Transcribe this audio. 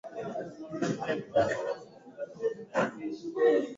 koo na familia za Kiluguru zinafuata sheria za nchi miiko ya mila na desturi